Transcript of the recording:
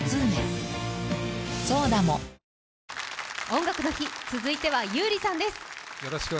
「音楽の日」続いては優里さんです。